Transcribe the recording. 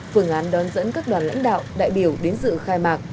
phương án đón dẫn các đoàn lãnh đạo đại biểu đến dự khai mạc